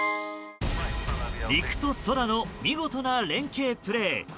陸と空の見事な連係プレー。